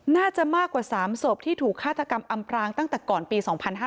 น่าจะมากกว่า๓ศพที่ถูกฆาตกรรมอำพรางตั้งแต่ก่อนปี๒๕๕๙